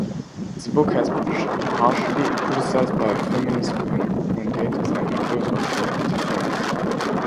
The book has been harshly criticized by feminist commentators and accused of being anti-feminist.